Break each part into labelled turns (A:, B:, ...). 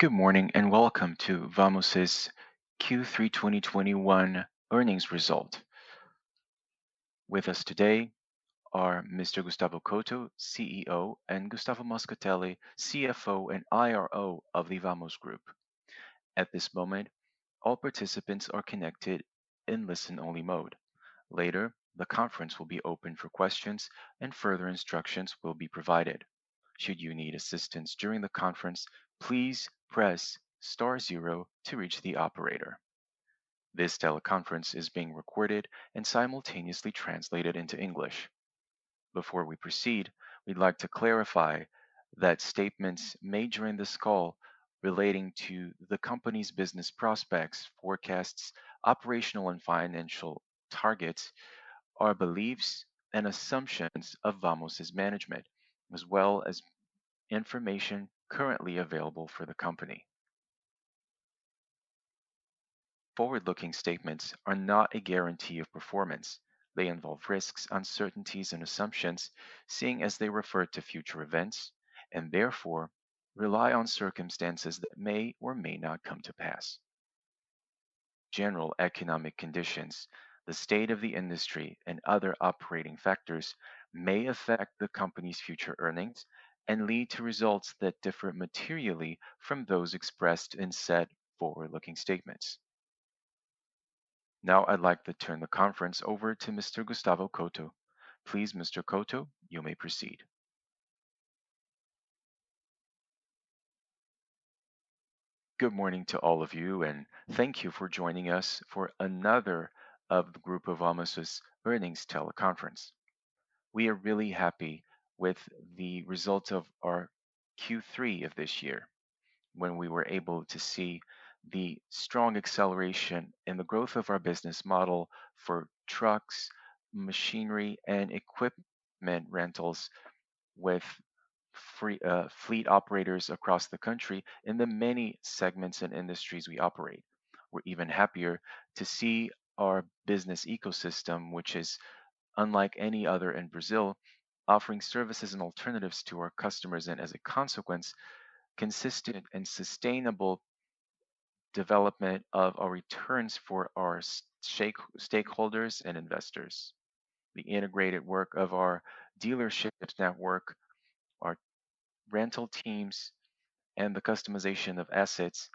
A: Good morning, and welcome to Vamos's Q3 2021 earnings result. With us today are Mr. Gustavo Couto, CEO, and Gustavo Moscatelli, CFO and IRO of Grupo Vamos. At this moment, all participants are connected in listen-only mode. Later, the conference will be open for questions and further instructions will be provided. Should you need assistance during the conference, please press star zero to reach the operator. This teleconference is being recorded and simultaneously translated into English. Before we proceed, we'd like to clarify that statements made during this call relating to the company's business prospects, forecasts, operational and financial targets are beliefs and assumptions of Vamos's management, as well as information currently available for the company. Forward-looking statements are not a guarantee of performance. They involve risks, uncertainties and assumptions, seeing as they refer to future events, and therefore rely on circumstances that may or may not come to pass. General economic conditions, the state of the industry, and other operating factors may affect the company's future earnings and lead to results that differ materially from those expressed in said forward-looking statements. Now I'd like to turn the conference over to Mr. Gustavo Couto. Please, Mr. Couto, you may proceed.
B: Good morning to all of you, and thank you for joining us for another of the Grupo Vamos' earnings teleconference. We are really happy with the results of our Q3 of this year, when we were able to see the strong acceleration in the growth of our business model for trucks, machinery, and equipment rentals with free fleet operators across the country in the many segments and industries we operate. We're even happier to see our business ecosystem, which is unlike any other in Brazil, offering services and alternatives to our customers, and as a consequence, consistent and sustainable development of our returns for our stakeholders and investors. The integrated work of our dealership network, our rental teams, and the customization of assets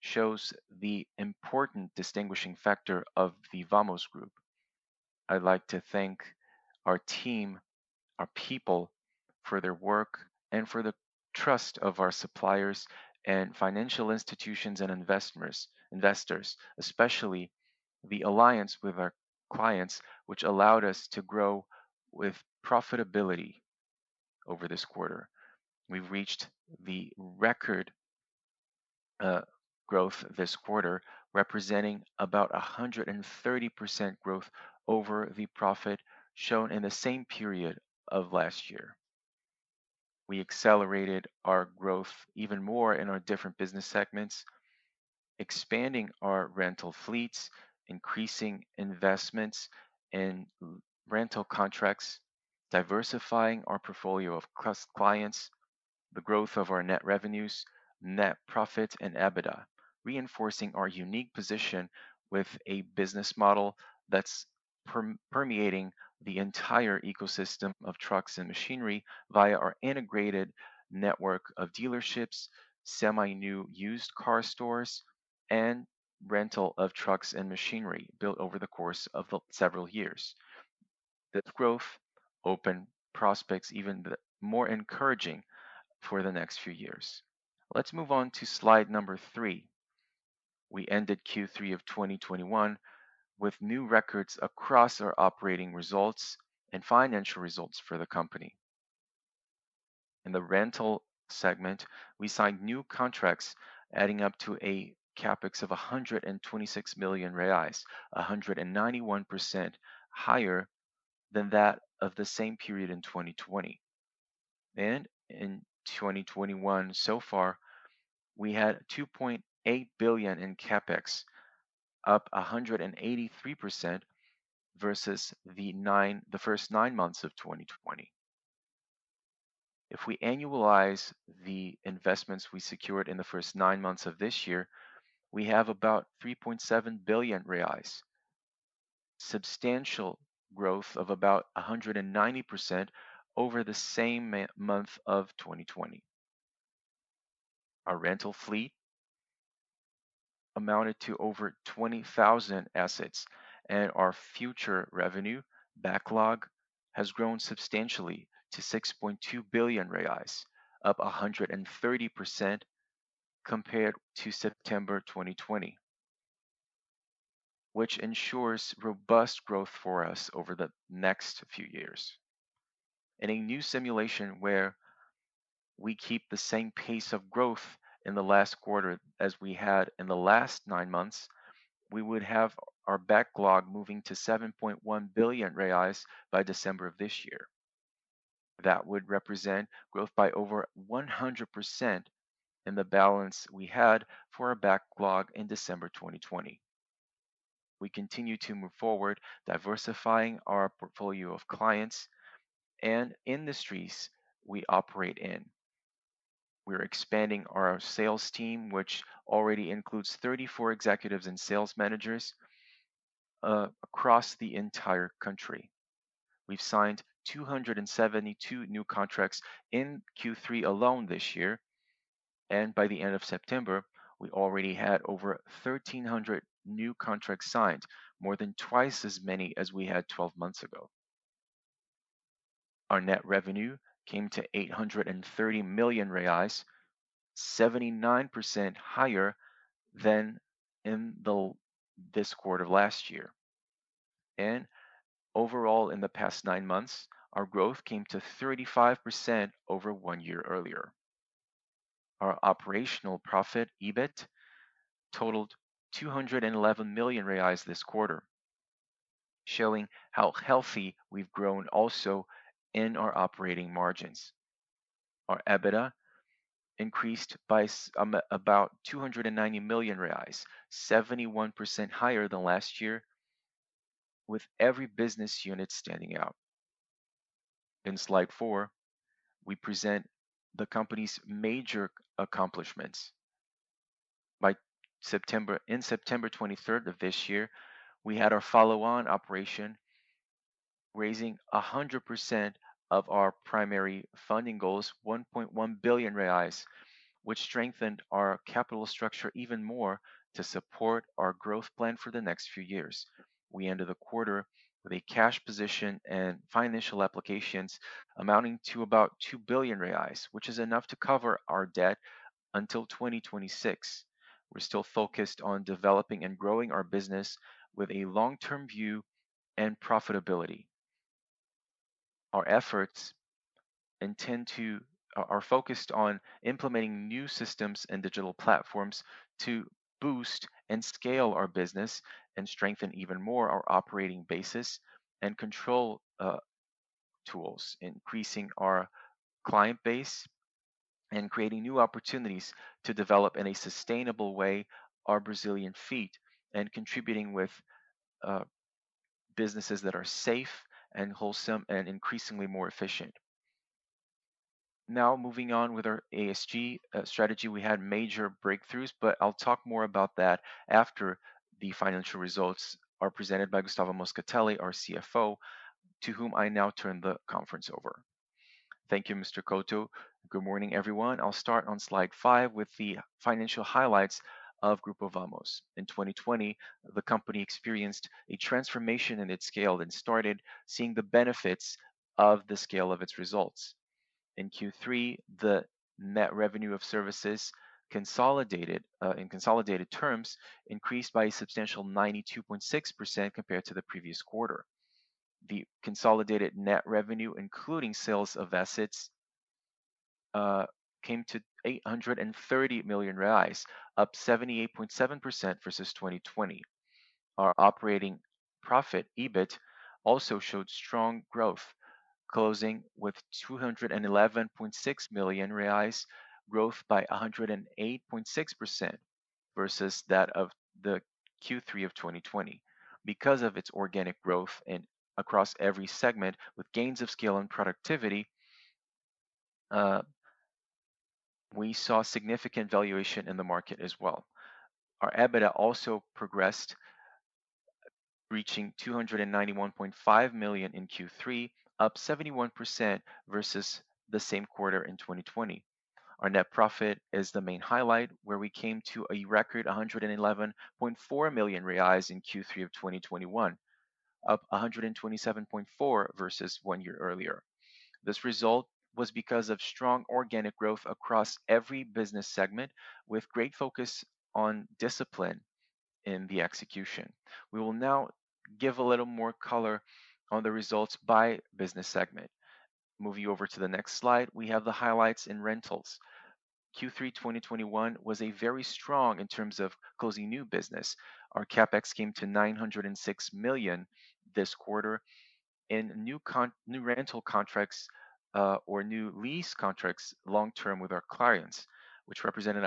B: shows the important distinguishing factor of the Grupo Vamos. I'd like to thank our team, our people, for their work and for the trust of our suppliers and financial institutions and investors, especially the alliance with our clients, which allowed us to grow with profitability over this quarter. We've reached the record growth this quarter, representing about 130% growth over the profit shown in the same period of last year. We accelerated our growth even more in our different business segments, expanding our rental fleets, increasing investments in rental contracts, diversifying our portfolio of clients, the growth of our net revenues, net profit and EBITDA, reinforcing our unique position with a business model that's permeating the entire ecosystem of trucks and machinery via our integrated network of dealerships, semi-new used car stores, and rental of trucks and machinery built over the course of several years. This growth opens prospects even more encouraging for the next few years. Let's move on to slide number three. We ended Q3 of 2021 with new records across our operating results and financial results for the company. In the rental segment, we signed new contracts adding up to a CapEx of 126 million reais, 191% higher than that of the same period in 2020. In 2021 so far, we had 2.8 billion in CapEx, up 183% versus the first nine months of 2020. If we annualize the investments we secured in the first nine months of this year, we have about 3.7 billion reais, substantial growth of about 190% over the same month of 2020. Our rental fleet amounted to over 20,000 assets, and our future revenue backlog has grown substantially to 6.2 billion reais, up 130% compared to September 2020, which ensures robust growth for us over the next few years. In a new simulation where we keep the same pace of growth in the last quarter as we had in the last nine months, we would have our backlog moving to 7.1 billion reais by December of this year. That would represent growth by over 100% in the balance we had for our backlog in December 2020. We continue to move forward, diversifying our portfolio of clients and industries we operate in. We're expanding our sales team, which already includes 34 executives and sales managers across the entire country. We've signed 272 new contracts in Q3 alone this year, and by the end of September, we already had over 1,300 new contracts signed, more than twice as many as we had twelve months ago. Our net revenue came to 830 million reais, 79% higher than in this quarter last year. Overall, in the past nine months, our growth came to 35% over one year earlier. Our operational profit, EBIT, totaled 211 million reais this quarter, showing how healthy we've grown also in our operating margins. Our EBITDA increased by about 290 million reais, 71% higher than last year, with every business unit standing out. In slide four, we present the company's major accomplishments. In September 23rd of this year, we had our follow-on operation, raising 100% of our primary funding goals, 1.1 billion reais, which strengthened our capital structure even more to support our growth plan for the next few years. We ended the quarter with a cash position and financial applications amounting to about 2 billion reais, which is enough to cover our debt until 2026. We're still focused on developing and growing our business with a long-term view and profitability. Our efforts are focused on implementing new systems and digital platforms to boost and scale our business and strengthen even more our operating basis and control tools, increasing our client base and creating new opportunities to develop in a sustainable way our Brazilian fleet and contributing with businesses that are safe and wholesome and increasingly more efficient. Now moving on with our ESG strategy, we had major breakthroughs, but I'll talk more about that after the financial results are presented by Gustavo Moscatelli, our CFO, to whom I now turn the conference over. Thank you, Mr. Couto. Good morning, everyone.
C: I'll start on slide five with the financial highlights of Grupo Vamos. In 2020, the company experienced a transformation in its scale and started seeing the benefits of the scale of its results. In Q3, the net revenue of services consolidated, in consolidated terms increased by a substantial 92.6% compared to the previous quarter. The consolidated net revenue, including sales of assets, came to 830 million reais, up 78.7% versus 2020. Our operating profit, EBIT, also showed strong growth, closing with 211.6 million reais, growth by 108.6% versus that of the Q3 of 2020. Because of its organic growth across every segment with gains of scale and productivity, we saw significant valuation in the market as well. Our EBITDA also progressed, reaching 291.5 million in Q3, up 71% versus the same quarter in 2020. Our net profit is the main highlight, where we came to a record 111.4 million reais in Q3 of 2021, up 127.4% versus one year earlier. This result was because of strong organic growth across every business segment with great focus on discipline in the execution. We will now give a little more color on the results by business segment. Moving over to the next slide, we have the highlights in rentals. Q3 2021 was a very strong in terms of closing new business. Our CapEx came to 906 million this quarter in new rental contracts or new lease contracts long term with our clients, which represented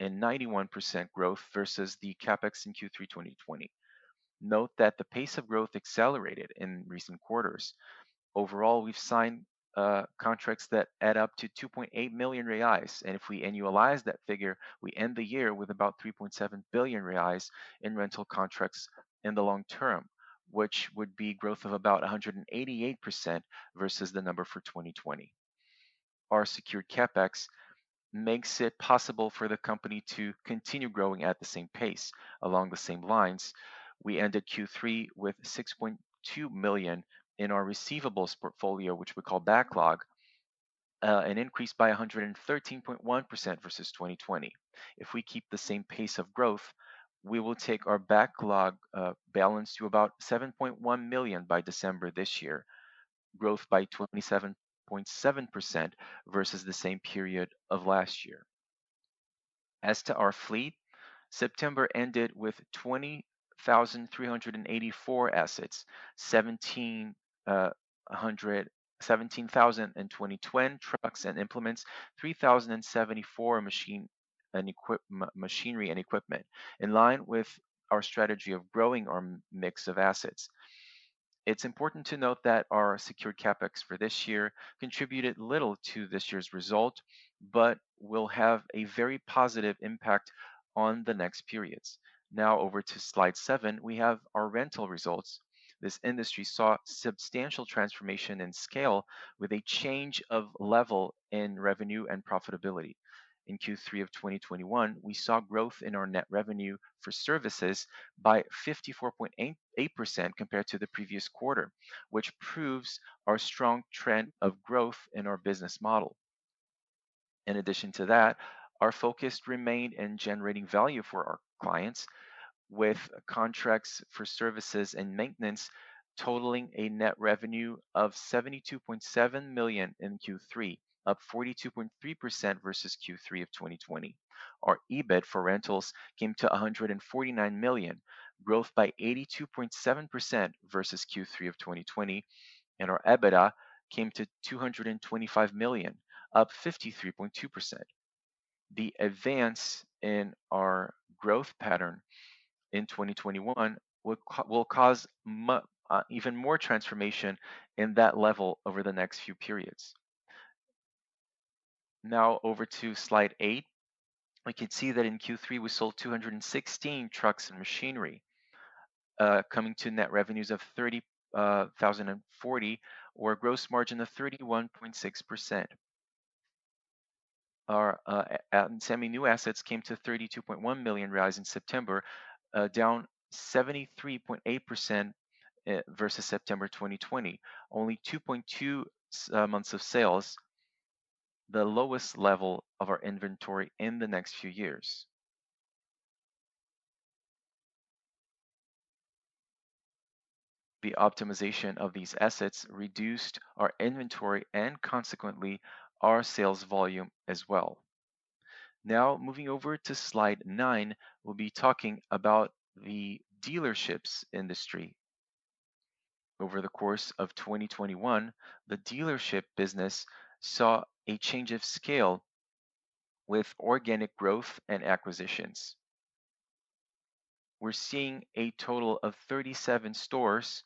C: 191% growth versus the CapEx in Q3 2020. Note that the pace of growth accelerated in recent quarters. Overall, we've signed contracts that add up to 2.8 million reais, and if we annualize that figure, we end the year with about 3.7 billion reais in rental contracts in the long term, which would be growth of about 188% versus the number for 2020. Our secured CapEx makes it possible for the company to continue growing at the same pace. Along the same lines, we ended Q3 with 6.2 million in our receivables portfolio, which we call backlog, an increase by 113.1% versus 2020. If we keep the same pace of growth, we will take our backlog balance to about 7.1 million by December this year, growth by 27.7% versus the same period of last year. As to our fleet, September ended with 20,384 assets, 17,022 trucks and implements, 3,074 machinery and equipment. In line with our strategy of growing our mix of assets. It's important to note that our secured CapEx for this year contributed little to this year's result, but will have a very positive impact on the next periods. Now over to slide seven, we have our rental results. This industry saw substantial transformation in scale with a change of level in revenue and profitability. In Q3 of 2021, we saw growth in our net revenue for services by 54.8% compared to the previous quarter, which proves our strong trend of growth in our business model. In addition to that, our focus remained in generating value for our clients with contracts for services and maintenance totaling a net revenue of 72.7 million in Q3, up 42.3% versus Q3 of 2020. Our EBIT for rentals came to 149 million, growth by 82.7% versus Q3 of 2020, and our EBITDA came to 225 million, up 53.2%. The advance in our growth pattern in 2021 will cause even more transformation in that level over the next few periods. Now over to slide 8. We can see that in Q3, we sold 216 trucks and machinery, coming to net revenues of 30,040 or a gross margin of 31.6%. Our semi-new assets came to 32.1 million in September, down 73.8% versus September 2020. Only 2.2 months of sales, the lowest level of our inventory in the next few years. The optimization of these assets reduced our inventory and consequently our sales volume as well. Now moving over to slide 9, we'll be talking about the dealerships industry. Over the course of 2021, the dealership business saw a change of scale with organic growth and acquisitions. We're seeing a total of 37 stores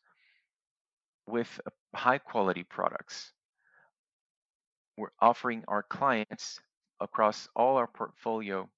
C: with high-quality products we're offering our clients across all our portfolio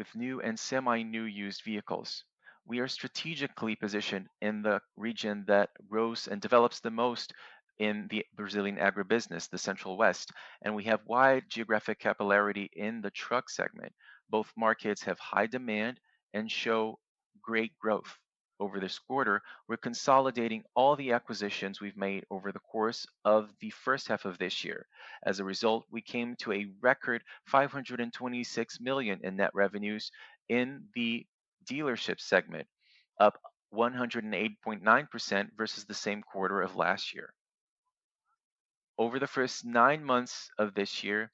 C: with new and semi-new used vehicles. We are strategically positioned in the region that grows and develops the most in the Brazilian agribusiness, the Central West, and we have wide geographic capillarity in the truck segment. Both markets have high demand and show great growth. Over this quarter, we're consolidating all the acquisitions we've made over the course of the first half of this year. As a result, we came to a record 526 million in net revenues in the dealership segment, up 108.9% versus the same quarter of last year. Over the first nine months of this year,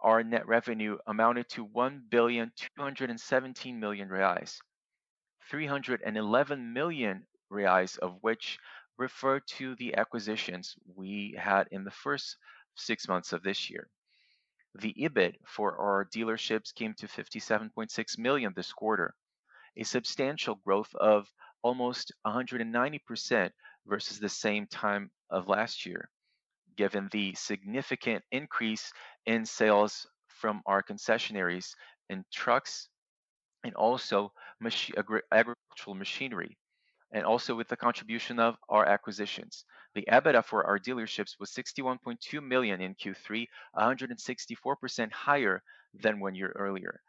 C: our net revenue amounted to 1.217 billion. 311 million reais of which refer to the acquisitions we had in the first six months of this year. The EBIT for our dealerships came to 57.6 million this quarter, a substantial growth of almost 190% versus the same time of last year, given the significant increase in sales from our concessionaires in trucks and also agricultural machinery, and also with the contribution of our acquisitions. The EBITDA for our dealerships was 61.2 million in Q3, 164% higher than one year earlier.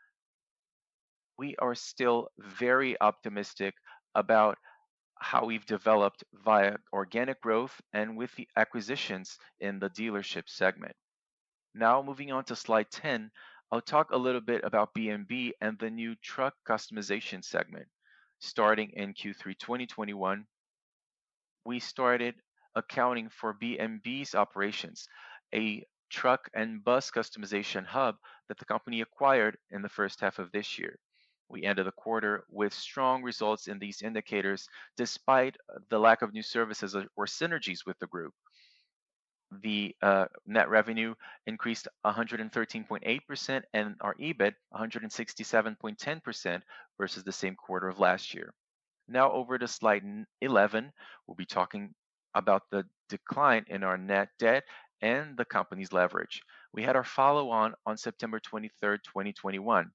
C: We are still very optimistic about how we've developed via organic growth and with the acquisitions in the dealership segment. Now moving on to slide 10, I'll talk a little bit about BMB and the new truck customization segment. Starting in Q3 2021, we started accounting for BMB's operations, a truck and bus customization hub that the company acquired in the first half of this year. We ended the quarter with strong results in these indicators despite the lack of new services or synergies with the group. The net revenue increased 113.8% and our EBIT 167.10% versus the same quarter of last year. Now over to slide 11, we'll be talking about the decline in our net debt and the company's leverage. We had our follow-on on September 23, 2021,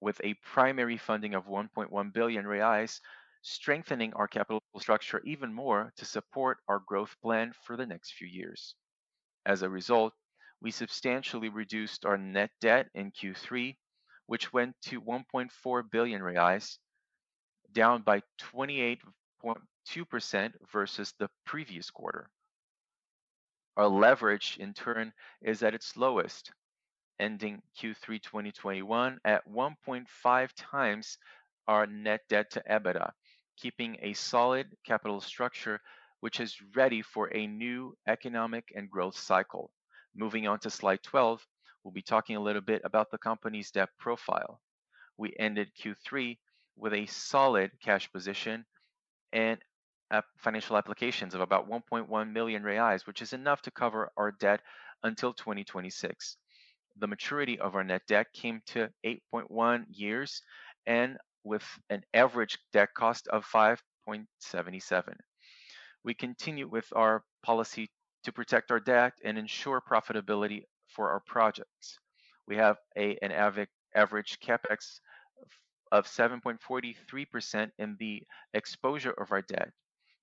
C: with a primary funding of 1.1 billion reais, strengthening our capital structure even more to support our growth plan for the next few years. As a result, we substantially reduced our net debt in Q3, which went to 1.4 billion reais, down by 28.2% versus the previous quarter. Our leverage, in turn, is at its lowest, ending Q3, 2021, at 1.5 times our net debt to EBITDA, keeping a solid capital structure which is ready for a new economic and growth cycle. Moving on to slide 12, we'll be talking a little bit about the company's debt profile. We ended Q3 with a solid cash position and financial applications of about 1.1 million reais, which is enough to cover our debt until 2026. The maturity of our net debt came to 8.1 years, with an average debt cost of 5.77%. We continue with our policy to protect our debt and ensure profitability for our projects. We have an average CapEx of 7.43% in the exposure of our debt.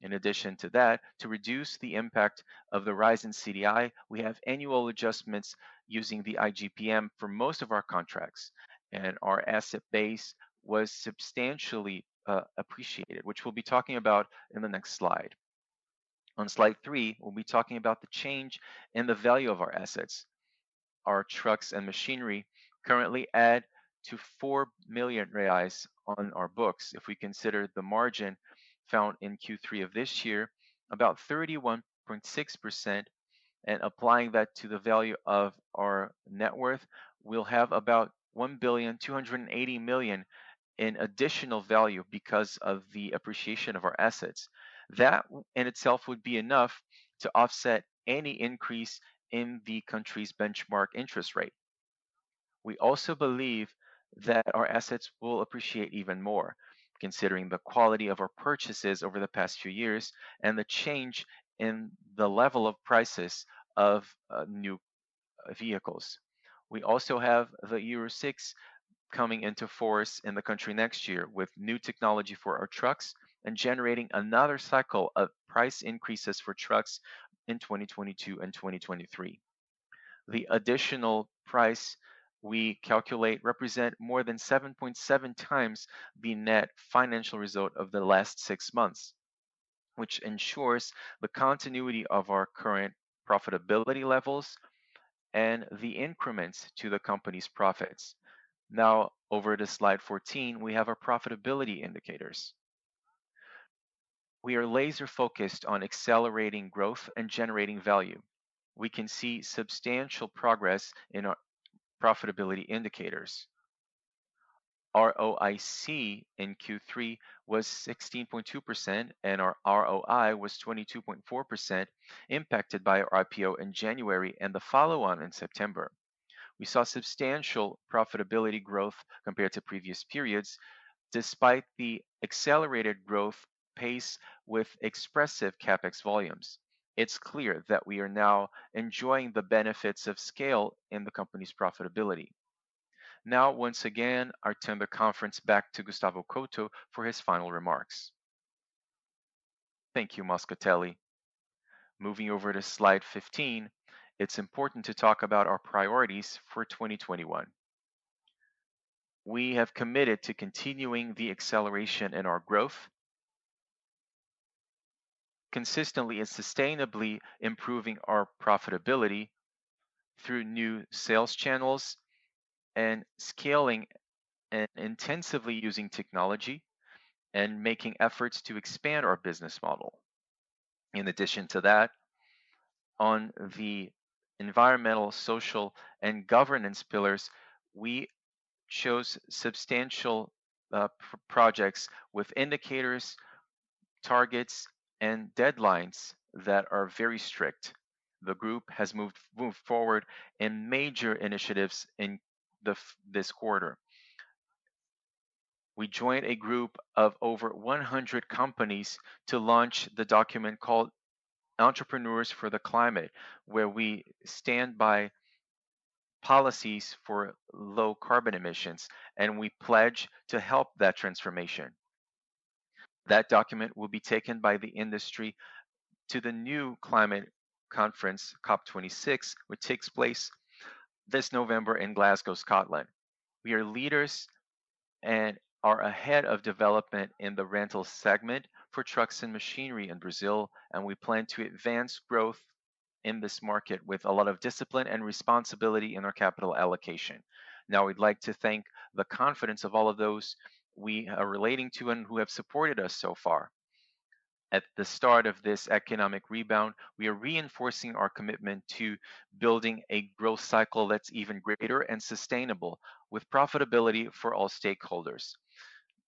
C: In addition to that, to reduce the impact of the rise in CDI, we have annual adjustments using the IGPM for most of our contracts, and our asset base was substantially appreciated, which we'll be talking about in the next slide. On slide 3, we'll be talking about the change in the value of our assets. Our trucks and machinery currently add to 4 million reais on our books. If we consider the margin found in Q3 of this year, about 31.6%, and applying that to the value of our net worth, we'll have about 1.28 billion in additional value because of the appreciation of our assets. That in itself would be enough to offset any increase in the country's benchmark interest rate. We also believe that our assets will appreciate even more, considering the quality of our purchases over the past few years and the change in the level of prices of new vehicles. We also have the Euro VI coming into force in the country next year with new technology for our trucks and generating another cycle of price increases for trucks in 2022 and 2023. The additional price we calculate represent more than 7.7 times the net financial result of the last six months, which ensures the continuity of our current profitability levels and the increments to the company's profits. Now over to slide 14, we have our profitability indicators. We are laser-focused on accelerating growth and generating value. We can see substantial progress in our profitability indicators. ROIC in Q3 was 16.2%, and our ROI was 22.4%, impacted by our IPO in January and the follow-on in September. We saw substantial profitability growth compared to previous periods, despite the accelerated growth pace with expressive CapEx volumes. It's clear that we are now enjoying the benefits of scale in the company's profitability. Now, once again, let's turn the conference back to Gustavo Couto for his final remarks. Thank you, Moscatelli.
B: Moving over to slide 15, it's important to talk about our priorities for 2021. We have committed to continuing the acceleration in our growth, consistently and sustainably improving our profitability through new sales channels, and scaling and intensively using technology and making efforts to expand our business model. In addition to that, on the environmental, social, and governance pillars, we chose substantial projects with indicators, targets, and deadlines that are very strict. The group has moved forward in major initiatives in this quarter. We joined a group of over 100 companies to launch the document called Entrepreneurs for the Climate, where we stand by policies for low carbon emissions, and we pledge to help that transformation. That document will be taken by the industry to the new climate conference, COP26, which takes place this November in Glasgow, Scotland. We are leaders and are ahead of development in the rental segment for trucks and machinery in Brazil, and we plan to advance growth in this market with a lot of discipline and responsibility in our capital allocation. Now, we'd like to thank the confidence of all of those we are relating to and who have supported us so far. At the start of this economic rebound, we are reinforcing our commitment to building a growth cycle that's even greater and sustainable, with profitability for all stakeholders.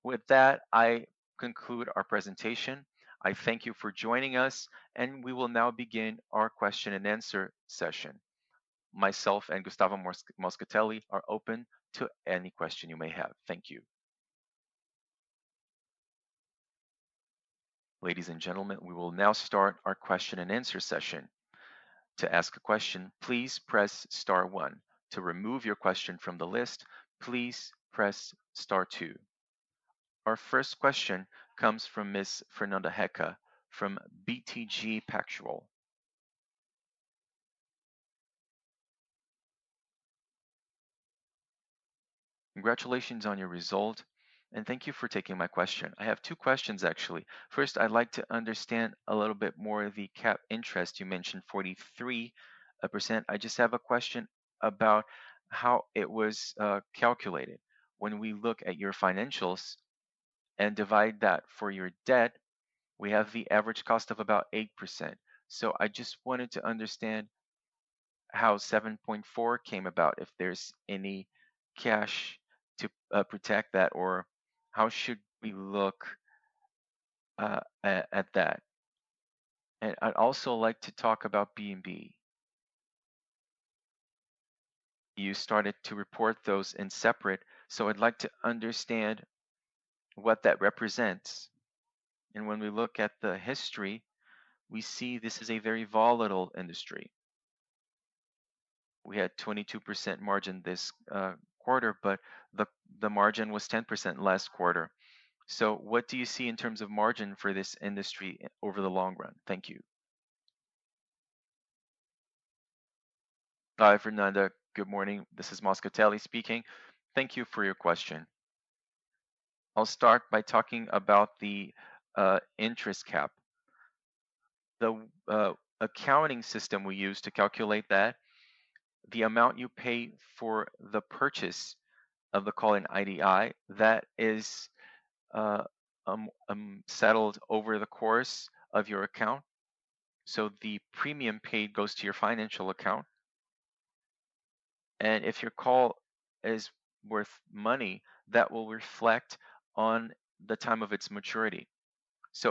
B: With that, I conclude our presentation. I thank you for joining us, and we will now begin our question and answer session. Myself and Gustavo Moscatelli are open to any question you may have. Thank you.
A: Our first question comes from Ms. Fernanda Recchia from BTG Pactual.
D: Congratulations on your result, and thank you for taking my question. I have two questions, actually. First, I'd like to understand a little bit more of the cap interest. You mentioned 43%. I just have a question about how it was calculated. When we look at your financials and divide that by your debt, we have the average cost of about 8%. I just wanted to understand how 7.4 came about, if there's any cash to protect that, or how should we look at that? I'd also like to talk about B&B. You started to report those separately, so I'd like to understand what that represents. When we look at the history, we see this is a very volatile industry. We had 22% margin this quarter, but the margin was 10% last quarter. What do you see in terms of margin for this industry over the long run? Thank you.
C: Hi, Fernanda. Good morning. This is Moscatelli speaking. Thank you for your question. I'll start by talking about the interest cap. The accounting system we use to calculate that, the amount you pay for the purchase of the cap in CDI, that is, settled over the course of your account. The premium paid goes to your financial account. If your cap is worth money, that will reflect on the time of its maturity.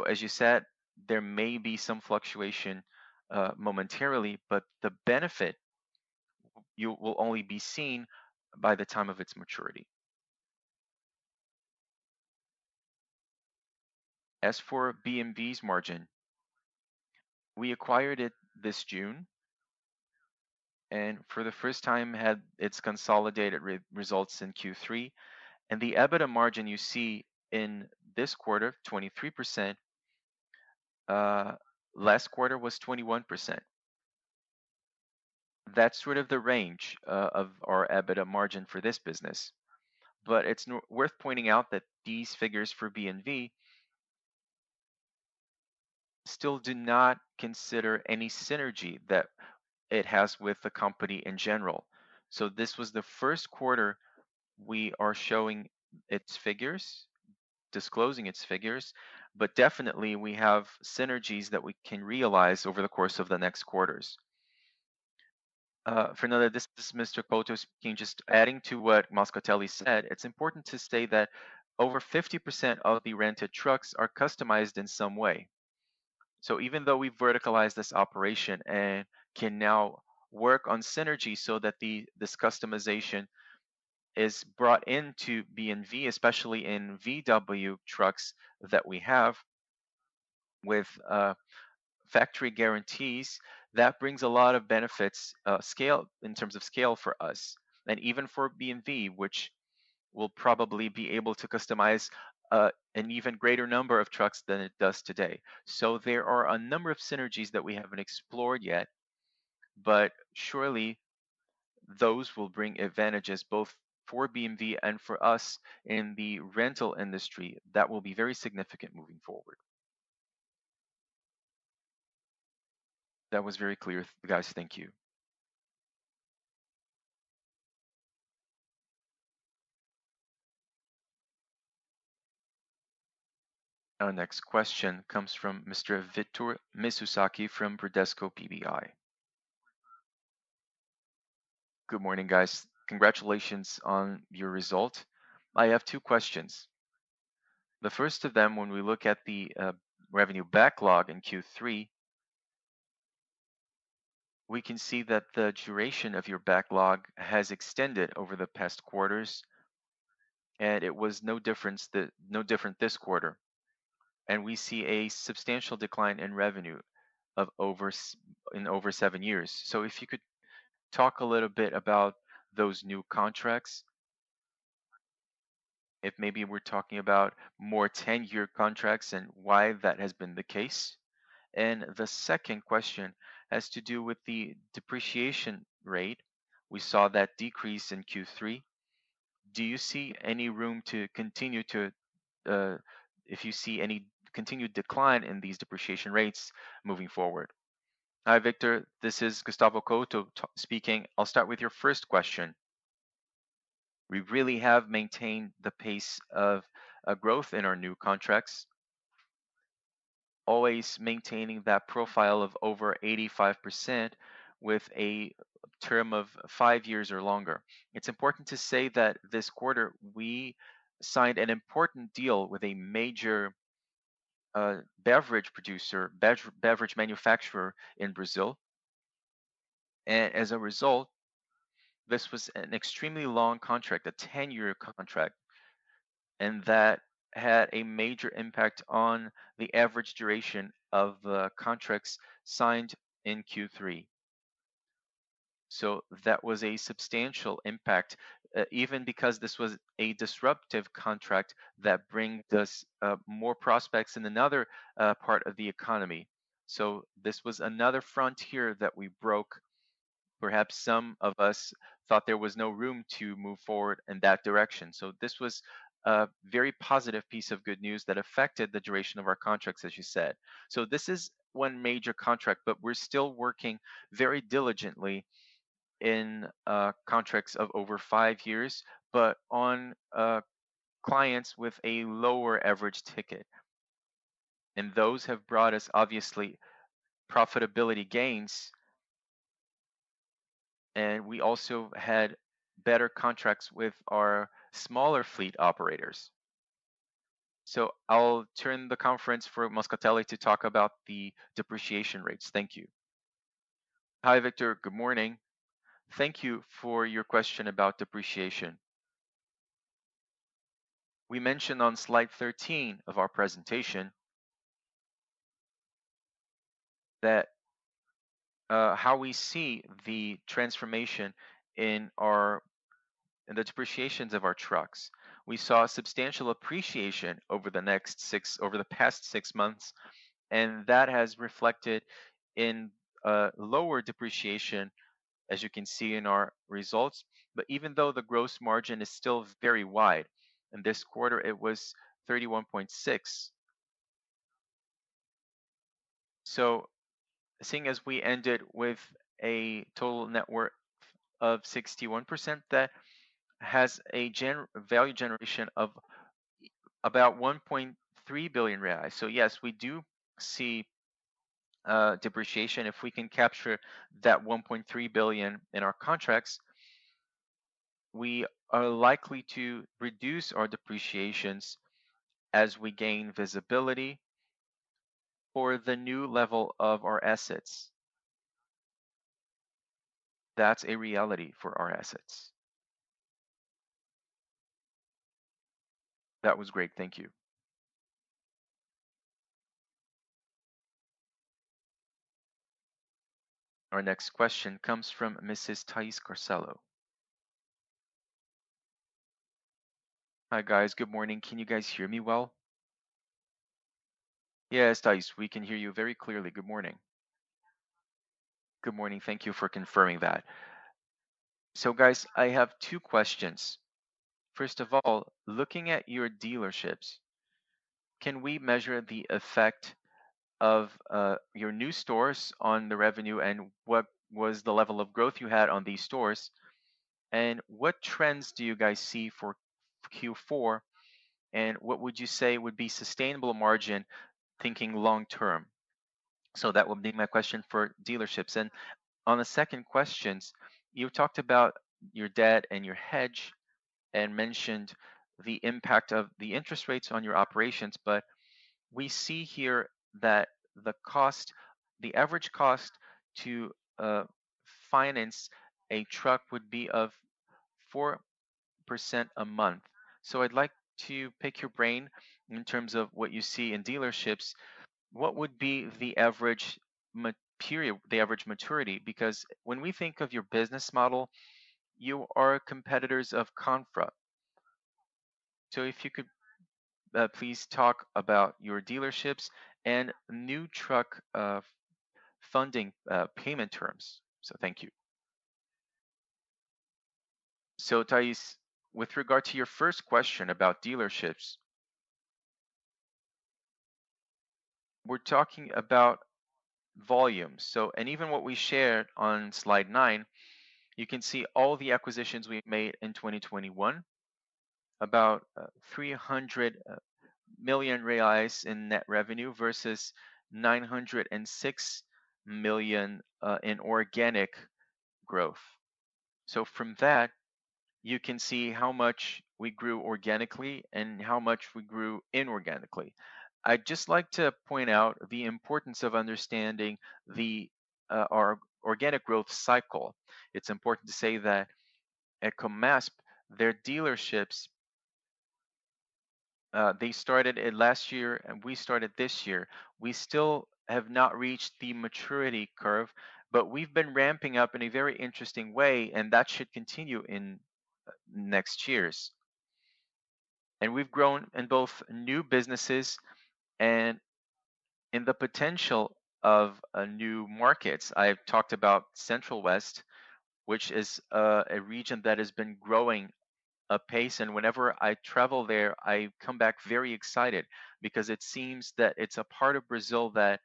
C: As you said, there may be some fluctuation momentarily, but the benefit will only be seen by the time of its maturity. As for BMB's margin, we acquired it this June, and for the first time had its consolidated results in Q3. The EBITDA margin you see in this quarter, 23%, last quarter was 21%. That's sort of the range of our EBITDA margin for this business. It's worth pointing out that these figures for BMB still do not consider any synergy that it has with the company in general. This was the first quarter we are showing its figures, disclosing its figures, but definitely we have synergies that we can realize over the course of the next quarters.
B: Fernanda, this is Mr. Couto speaking. Just adding to what Moscatelli said, it's important to state that over 50% of the rented trucks are customized in some way. Even though we verticalized this operation and can now work on synergy so that this customization is brought into BMB, especially in VW trucks that we have with factory guarantees, that brings a lot of benefits, scale in terms of scale for us. Even for BMB, which will probably be able to customize an even greater number of trucks than it does today. There are a number of synergies that we haven't explored yet, but surely those will bring advantages both for BMB and for us in the rental industry that will be very significant moving forward.
D: That was very clear, guys. Thank you.
A: Our next question comes from Mr. Victor Mizusaki from Bradesco BBI. Good morning, guys.
E: Congratulations on your result. I have two questions. The first of them, when we look at the revenue backlog in Q3, we can see that the duration of your backlog has extended over the past quarters, and it was no different this quarter. We see a substantial decline in revenue of over seven years. If you could talk a little bit about those new contracts. If maybe we're talking about more 10-year contracts and why that has been the case. The second question has to do with the depreciation rate. We saw that decrease in Q3. Do you see any continued decline in these depreciation rates moving forward?
B: Hi, Victor. This is Gustavo Couto speaking. I'll start with your first question. We really have maintained the pace of growth in our new contracts, always maintaining that profile of over 85% with a term of five years or longer. It's important to say that this quarter we signed an important deal with a major beverage manufacturer in Brazil. As a result, this was an extremely long contract, a 10-year contract, and that had a major impact on the average duration of contracts signed in Q3. That was a substantial impact, even because this was a disruptive contract that brings us more prospects in another part of the economy. This was another frontier that we broke. Perhaps some of us thought there was no room to move forward in that direction. This was a very positive piece of good news that affected the duration of our contracts, as you said. This is one major contract, but we're still working very diligently in contracts of over five years, but on clients with a lower average ticket. Those have brought us obviously profitability gains. We also had better contracts with our smaller fleet operators. I'll turn it over to Moscatelli to talk about the depreciation rates. Thank you. Hi, Victor. Good morning. Thank you for your question about depreciation. We mentioned on slide 13 of our presentation that how we see the transformation in the depreciations of our trucks. We saw substantial appreciation over the past six months, and that has reflected in lower depreciation, as you can see in our results. But even though the gross margin is still very wide, in this quarter it was 31.6%.
C: Seeing as we ended with a total net worth of 61%, that has a value generation of about 1.3 billion reais. Yes, we do see depreciation. If we can capture that 1.3 billion in our contracts, we are likely to reduce our depreciations as we gain visibility for the new level of our assets. That's a reality for our assets.
E: That was great. Thank you.
A: Our next question comes from Mrs. Thais Cascello.
F: Hi, guys. Good morning. Can you guys hear me well?
A: Yes, Thais, we can hear you very clearly. Good morning.
F: Good morning. Thank you for confirming that. Guys, I have two questions. First of all, looking at your dealerships, can we measure the effect of your new stores on the revenue, and what was the level of growth you had on these stores? What trends do you guys see for Q4, and what would you say would be sustainable margin thinking long term? That would be my question for dealerships. On the second questions, you talked about your debt and your hedge and mentioned the impact of the interest rates on your operations, but we see here that the cost, the average cost to finance a truck would be of 4% a month. I'd like to pick your brain in terms of what you see in dealerships. What would be the average maturity period? Because when we think of your business model, you are competitors of Confra. If you could please talk about your dealerships and new truck funding, payment terms. Thank you.
B: Thais, with regard to your first question about dealerships, we're talking about volume. Even what we shared on slide 9, you can see all the acquisitions we made in 2021, about 300 million reais in net revenue versus 906 million in organic growth. From that, you can see how much we grew organically and how much we grew inorganically. I'd just like to point out the importance of understanding our organic growth cycle. It's important to say that at Comape, their dealerships, they started it last year, and we started this year. We still have not reached the maturity curve, but we've been ramping up in a very interesting way, and that should continue in next years. We've grown in both new businesses and in the potential of new markets. I've talked about Central West, which is a region that has been growing apace, and whenever I travel there, I come back very excited because it seems that it's a part of Brazil that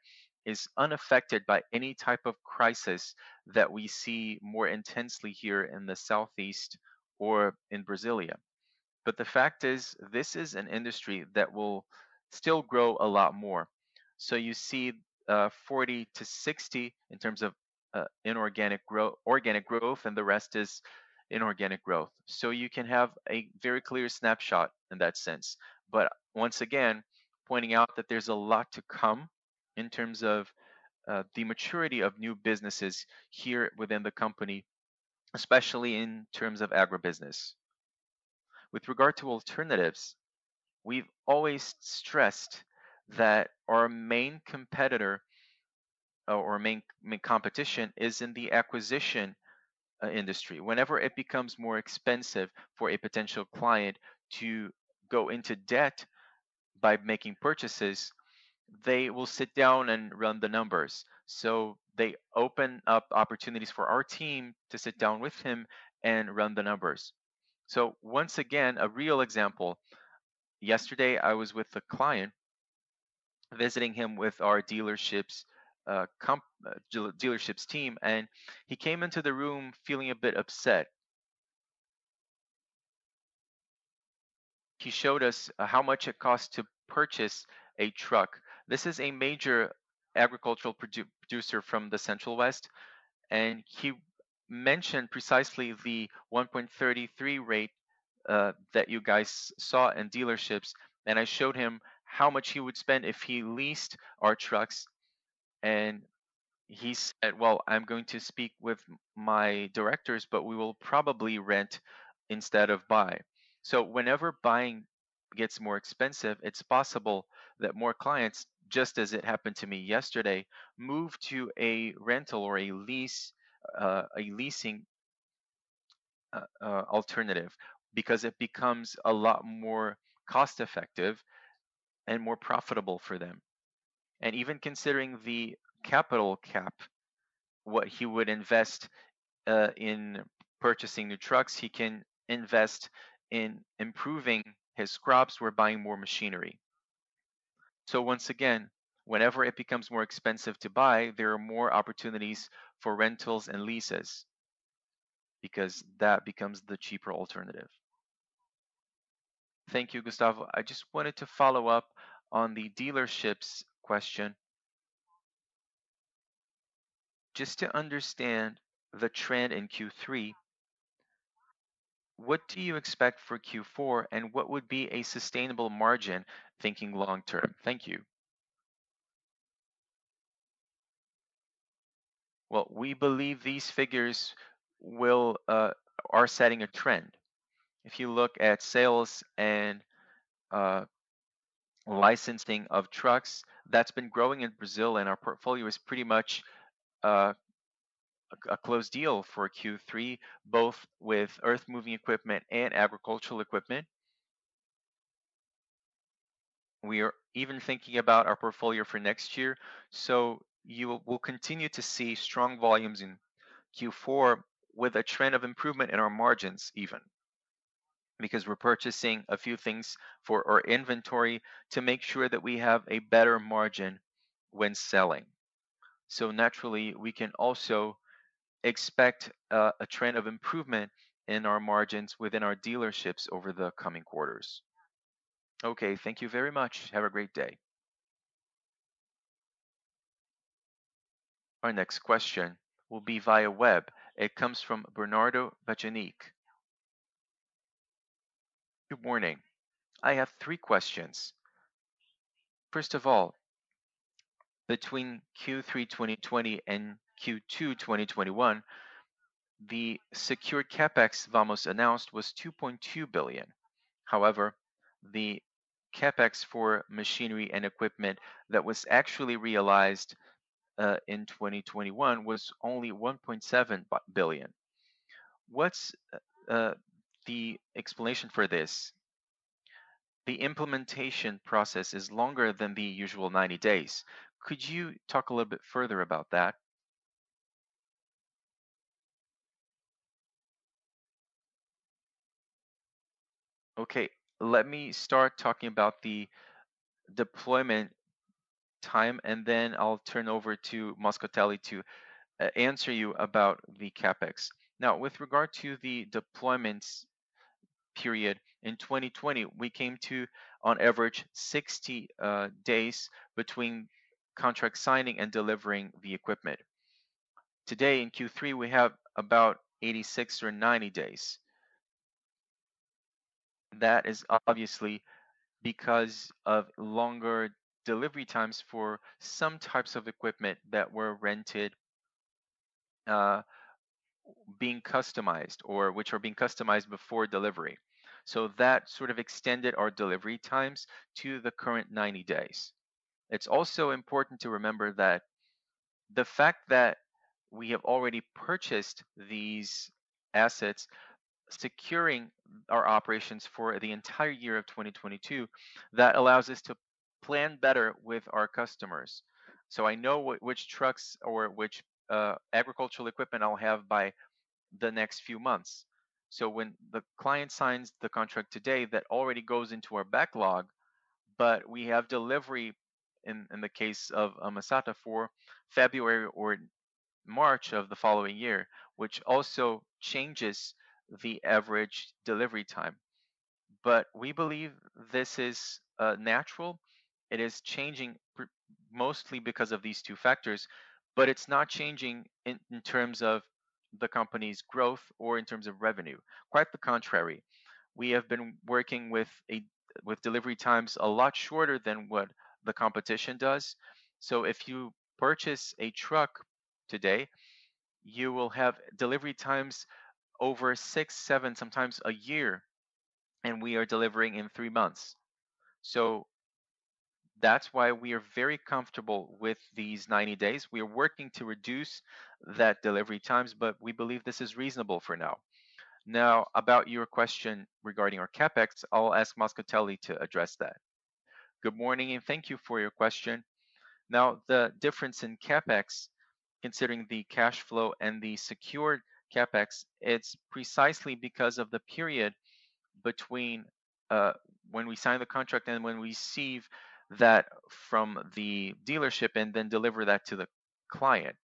B: is unaffected by any type of crisis that we see more intensely here in the southeast or in Brasília. The fact is, this is an industry that will still grow a lot more. You see, 40%-60% in terms of organic growth, and the rest is inorganic growth. You can have a very clear snapshot in that sense. Once again, pointing out that there's a lot to come in terms of the maturity of new businesses here within the company, especially in terms of agribusiness. With regard to alternatives, we've always stressed that our main competitor, or our main competition, is in the acquisition industry. Whenever it becomes more expensive for a potential client to go into debt by making purchases, they will sit down and run the numbers. They open up opportunities for our team to sit down with him and run the numbers. Once again, a real example. Yesterday, I was with a client, visiting him with our dealership's team, and he came into the room feeling a bit upset. He showed us how much it costs to purchase a truck. This is a major agricultural producer from the Central West, and he mentioned precisely the 1.33 rate that you guys saw in dealerships. I showed him how much he would spend if he leased our trucks, and he said, "Well, I'm going to speak with my directors, but we will probably rent instead of buy." Whenever buying gets more expensive, it's possible that more clients, just as it happened to me yesterday, move to a rental or a lease, a leasing alternative because it becomes a lot more cost-effective and more profitable for them. Even considering the CapEx, what he would invest in purchasing new trucks, he can invest in improving his crops or buying more machinery. Once again, whenever it becomes more expensive to buy, there are more opportunities for rentals and leases because that becomes the cheaper alternative.
F: Thank you, Gustavo. I just wanted to follow up on the dealerships question. Just to understand the trend in Q3, what do you expect for Q4, and what would be a sustainable margin thinking long term? Thank you.
B: Well, we believe these figures are setting a trend. If you look at sales and licensing of trucks, that's been growing in Brazil, and our portfolio is pretty much a closed deal for Q3, both with earthmoving equipment and agricultural equipment. We are even thinking about our portfolio for next year. You will continue to see strong volumes in Q4 with a trend of improvement in our margins even. Because we're purchasing a few things for our inventory to make sure that we have a better margin when selling. Naturally, we can also expect a trend of improvement in our margins within our dealerships over the coming quarters.
F: Okay, thank you very much. Have a great day.
A: Our next question will be via web. It comes from Bernardo Valadares. Good morning.
G: I have three questions. First of all, between Q3 2020 and Q2 2021, the secured CapEx Vamos announced was 2.2 billion. However, the CapEx for machinery and equipment that was actually realized in 2021 was only 1.7 billion. What's the explanation for this? The implementation process is longer than the usual 90 days. Could you talk a little bit further about that?
B: Okay, let me start talking about the deployment time, and then I'll turn over to Moscatelli to answer you about the CapEx. Now, with regard to the deployment period, in 2020, we came to, on average, 60 days between contract signing and delivering the equipment. Today in Q3, we have about 86 or 90 days. That is obviously because of longer delivery times for some types of equipment that were rented, being customized or which are being customized before delivery. That sort of extended our delivery times to the current 90 days. It's also important to remember that the fact that we have already purchased these assets, securing our operations for the entire year of 2022, that allows us to plan better with our customers. I know which trucks or which agricultural equipment I'll have by the next few months. When the client signs the contract today, that already goes into our backlog, but we have delivery, in the case of Masata, for February or March of the following year, which also changes the average delivery time. We believe this is natural. It is changing mostly because of these two factors, but it's not changing in terms of the company's growth or in terms of revenue. Quite the contrary. We have been working with delivery times a lot shorter than what the competition does. If you purchase a truck today, you will have delivery times over six, seven, sometimes a year, and we are delivering in three months. That's why we are very comfortable with these 90 days. We are working to reduce that delivery times, but we believe this is reasonable for now. Now, about your question regarding our CapEx, I'll ask Moscatelli to address that.
C: Good morning, and thank you for your question. Now, the difference in CapEx, considering the cash flow and the secured CapEx, it's precisely because of the period between when we sign the contract and when we receive that from the dealership and then deliver that to the client.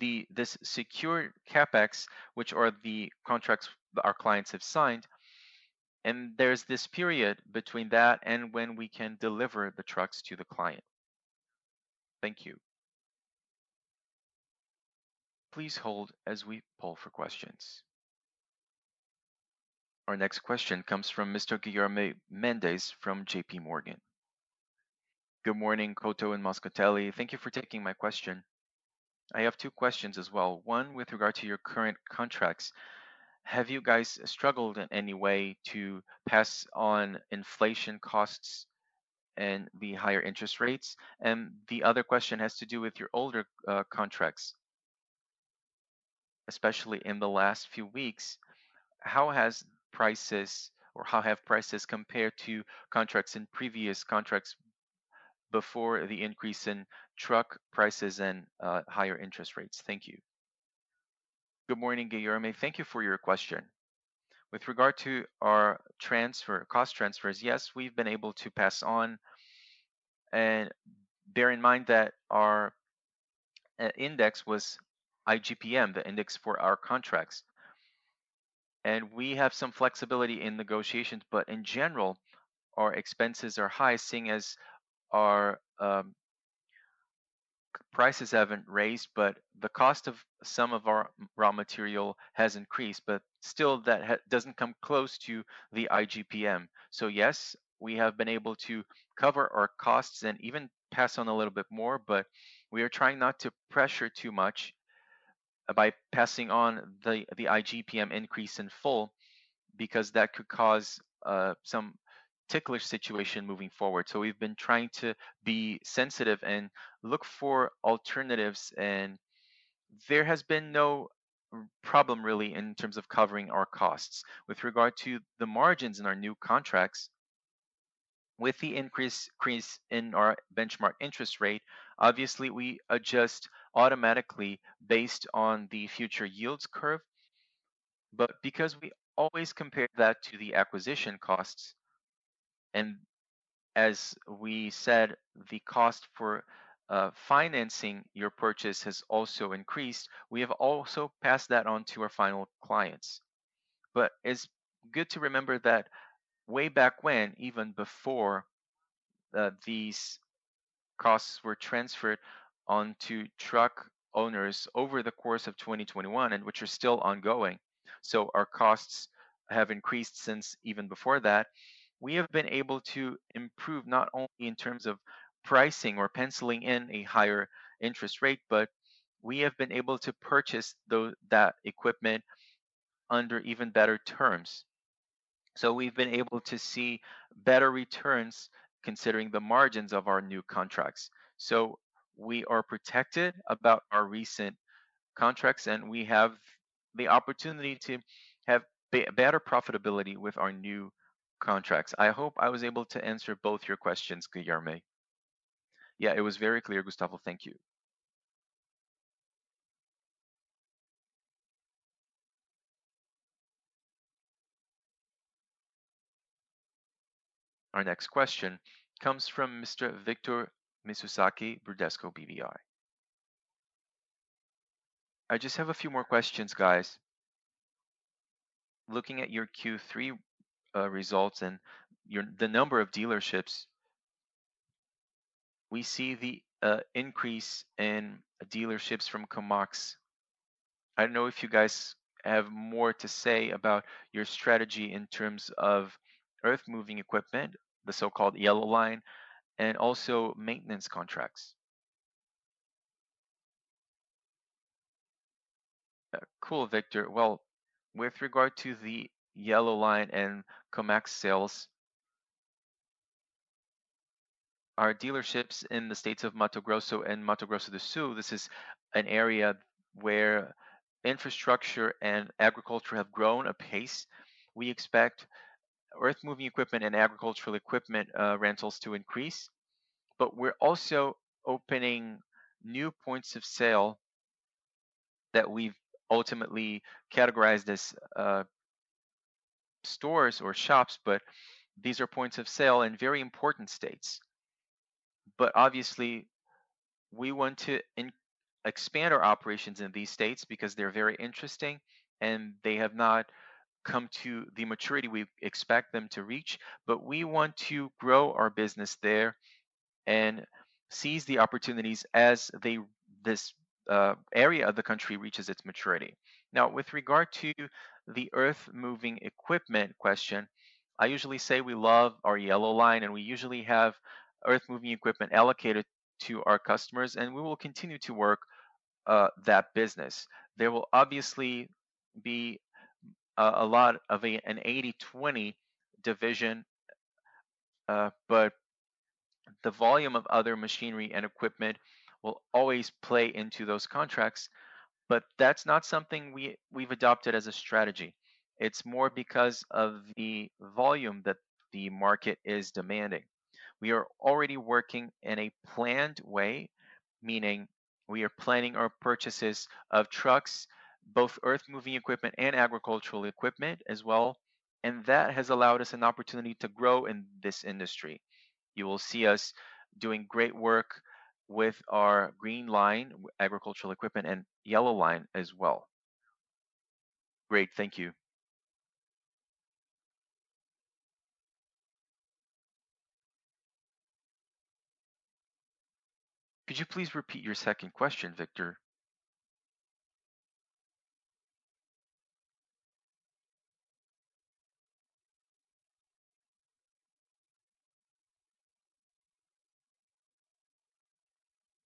C: The, this secure CapEx, which are the contracts our clients have signed, and there's this period between that and when we can deliver the trucks to the client.
G: Thank you.
A: Please hold as we poll for questions. Our next question comes from Mr. Guilherme Mendes from JPMorgan.
H: Good morning, Couto and Moscatelli. Thank you for taking my question. I have two questions as well. One, with regard to your current contracts, have you guys struggled in any way to pass on inflation costs and the higher interest rates? The other question has to do with your older contracts, especially in the last few weeks, how has prices or how have prices compared to contracts in previous contracts before the increase in truck prices and higher interest rates? Thank you.
B: Good morning, Guilherme. Thank you for your question. With regard to our transfer, cost transfers, yes, we've been able to pass on. Bear in mind that our index was IGPM, the index for our contracts. We have some flexibility in negotiations, but in general, our expenses are high, seeing as our prices haven't raised, but the cost of some of our raw material has increased. But still, that doesn't come close to the IGPM. Yes, we have been able to cover our costs and even pass on a little bit more, but we are trying not to pressure too much by passing on the IGPM increase in full because that could cause some ticklish situation moving forward. We've been trying to be sensitive and look for alternatives, and there has been no problem really in terms of covering our costs. With regard to the margins in our new contracts, with the increase in our benchmark interest rate, obviously, we adjust automatically based on the futures yield curve. Because we always compare that to the acquisition costs, and as we said, the cost for financing your purchase has also increased. We have also passed that on to our final clients. It's good to remember that way back when, even before these costs were transferred onto truck owners over the course of 2021, and which are still ongoing. Our costs have increased since even before that. We have been able to improve not only in terms of pricing or penciling in a higher interest rate, but we have been able to purchase that equipment under even better terms. We've been able to see better returns considering the margins of our new contracts. We are protected about our recent contracts, and we have the opportunity to have better profitability with our new contracts. I hope I was able to answer both your questions, Guilherme.
H: Yeah. It was very clear, Gustavo. Thank you.
A: Our next question comes from Mr. Victor Mizusaki, Bradesco BBI. I just have a few more questions, guys.
E: Looking at your Q3 results and the number of dealerships, we see the increase in dealerships from Comape. I don't know if you guys have more to say about your strategy in terms of earth-moving equipment, the so-called yellow line, and also maintenance contracts.
B: Cool, Victor. Well, with regard to the yellow line and Comape sales, our dealerships in the states of Mato Grosso and Mato Grosso do Sul, this is an area where infrastructure and agriculture have grown apace. We expect earth-moving equipment and agricultural equipment rentals to increase, but we're also opening new points of sale that we've ultimately categorized as stores or shops, but these are points of sale in very important states. Obviously, we want to expand our operations in these states because they're very interesting, and they have not come to the maturity we expect them to reach. We want to grow our business there and seize the opportunities as this area of the country reaches its maturity. Now, with regard to the earth-moving equipment question, I usually say we love our yellow line, and we usually have earth-moving equipment allocated to our customers, and we will continue to work that business. There will obviously be a lot of an 80/20 division, but the volume of other machinery and equipment will always play into those contracts. That's not something we've adopted as a strategy. It's more because of the volume that the market is demanding. We are already working in a planned way, meaning we are planning our purchases of trucks, both earth-moving equipment and agricultural equipment as well, and that has allowed us an opportunity to grow in this industry. You will see us doing great work with our green line, agricultural equipment, and yellow line as well.
E: Great. Thank you.
B: Could you please repeat your second question, Victor?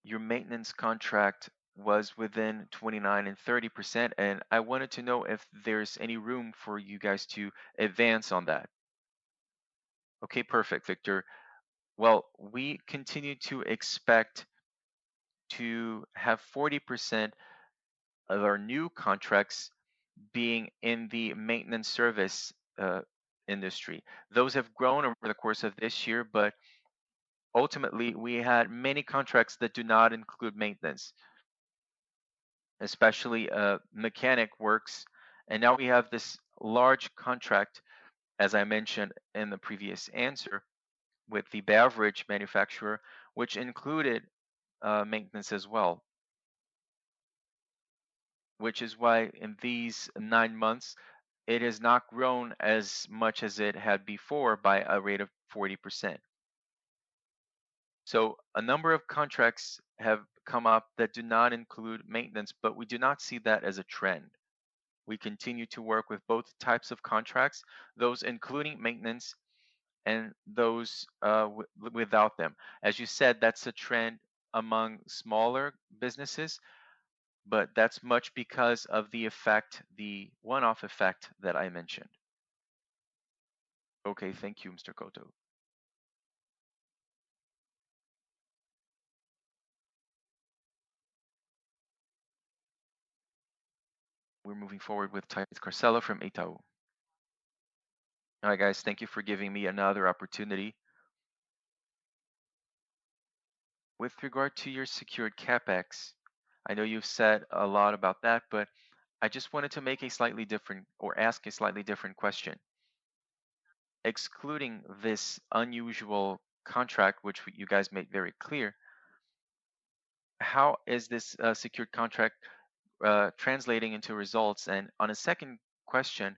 B: Your maintenance contract was within 29%-30%, and I wanted to know if there's any room for you guys to advance on that. Okay, perfect, Victor. Well, we continue to expect to have 40% of our new contracts being in the maintenance service industry. Those have grown over the course of this year, but ultimately, we had many contracts that do not include maintenance, especially mechanic works. Now we have this large contract, as I mentioned in the previous answer, with the beverage manufacturer, which included maintenance as well. Which is why in these nine months, it has not grown as much as it had before by a rate of 40%. A number of contracts have come up that do not include maintenance, but we do not see that as a trend. We continue to work with both types of contracts, those including maintenance and those without them. As you said, that's a trend among smaller businesses, but that's much because of the effect, the one-off effect that I mentioned.
E: Okay. Thank you, Mr. Couto.
B: We're moving forward with Thais Cascello from Itaú. All right, guys. Thank you for giving me another opportunity.
F: With regard to your secured CapEx, I know you've said a lot about that, but I just wanted to make a slightly different or ask a slightly different question. Excluding this unusual contract, which you guys made very clear, how is this secured contract translating into results? On a second question,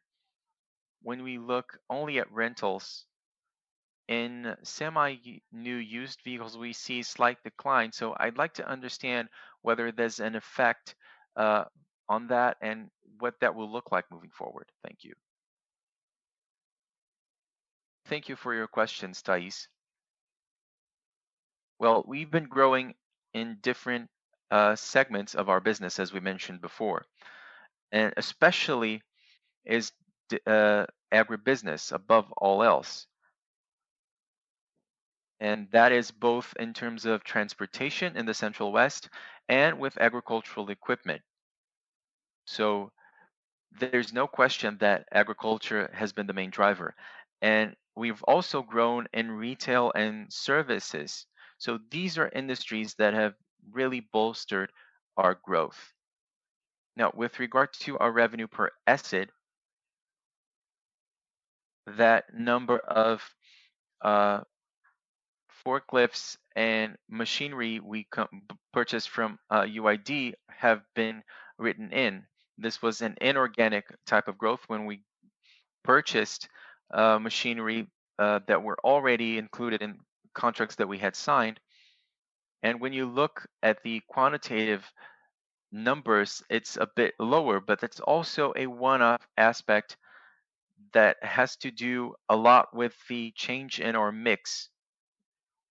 F: when we look only at rentals in Seminovos, we see slight decline. I'd like to understand whether there's an effect on that and what that will look like moving forward. Thank you.
B: Thank you for your questions, Thais. Well, we've been growing in different segments of our business, as we mentioned before, and especially agribusiness above all else. That is both in terms of transportation in the Central West and with agricultural equipment. There's no question that agriculture has been the main driver, and we've also grown in retail and services. These are industries that have really bolstered our growth. Now, with regard to our revenue per asset, that number of forklifts and machinery we purchased from UID have been written in. This was an inorganic type of growth when we purchased machinery that were already included in contracts that we had signed. When you look at the quantitative numbers, it's a bit lower, but that's also a one-off aspect that has to do a lot with the change in our mix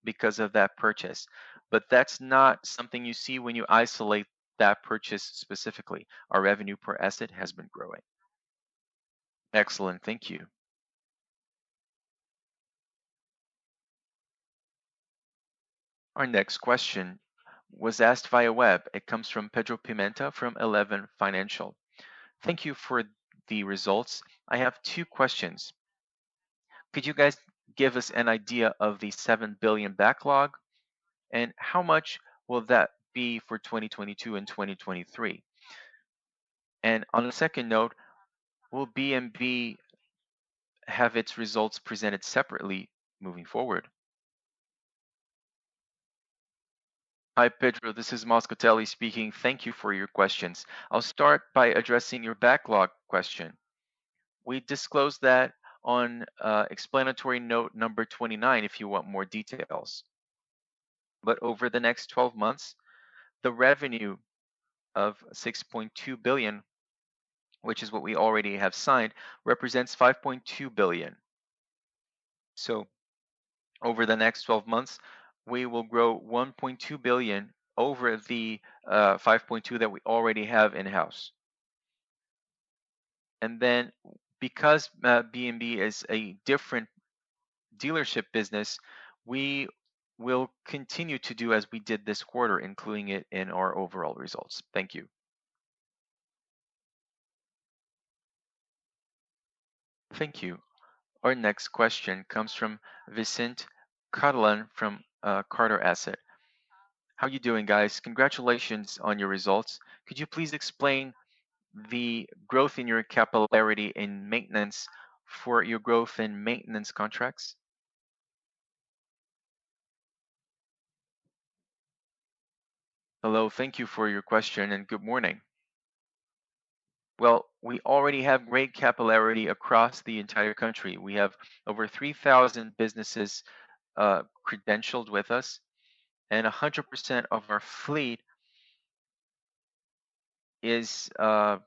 B: because of that purchase. But that's not something you see when you isolate that purchase specifically. Our revenue per asset has been growing.
F: Excellent. Thank you.
A: Our next question was asked via web. It comes from Pedro Pimenta from Eleven Financial Research.
I: Thank you for the results. I have two questions. Could you guys give us an idea of the 7 billion backlog, and how much will that be for 2022 and 2023? On a second note, will B&B have its results presented separately moving forward?
C: Hi, Pedro. This is Moscatelli speaking. Thank you for your questions. I'll start by addressing your backlog question. We disclosed that on explanatory note number 29, if you want more details. Over the next twelve months, the revenue of 6.2 billion, which is what we already have signed, represents 5.2 billion. Over the next twelve months, we will grow 1.2 billion over the 5.2 that we already have in-house. Because BMB is a different dealership business, we will continue to do as we did this quarter, including it in our overall results. Thank you.
A: Our next question comes from Vicente Catalán from Crescera Capital.
J: How are you doing, guys? Congratulations on your results. Could you please explain the growth in your capillarity in maintenance for your growth in maintenance contracts?
B: Hello. Thank you for your question, and good morning. Well, we already have great capillarity across the entire country. We have over 3,000 businesses credentialed with us, and 100% of our fleet is served